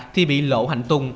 thì bị lộ hành tung